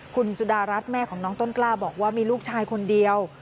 คุณสุดารัฐแม่ของน้องต้นกล้าบอกว่ามีลูกชายคนเดียว